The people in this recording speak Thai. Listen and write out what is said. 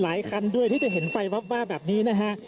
คันด้วยที่จะเห็นไฟวาบแบบนี้นะฮะ